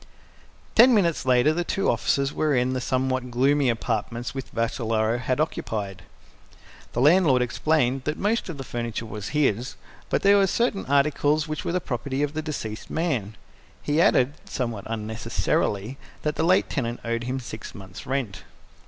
Ten minutes later the two officers were in the somewhat gloomy apartments which Vassalaro had occupied. The landlord explained that most of the furniture was his, but that there were certain articles which were the property of the deceased man. He added, somewhat unnecessarily, that the late tenant owed him six months' rent.